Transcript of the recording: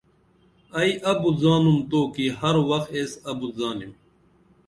ائی ابُت زانُم تو کی ہر وخ ایس ابُت زانِم